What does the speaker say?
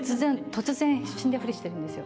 突然、死んだふりしてるんですよ。